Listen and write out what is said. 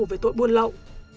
về tội buôn lậu